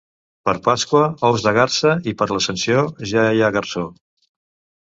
Per Pasqua, ous de garsa, i per l'Ascensió ja hi ha garsó.